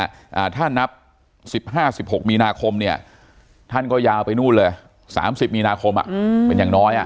ถ้าท่านนับ๑๕๑๖มีนาคมเนี่ยท่านก็ยาวไปนู่นเลย๓๐มีนาคมเป็นอย่างน้อย